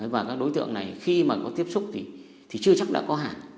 và các đối tượng này khi mà có tiếp xúc thì chưa chắc là có hẳn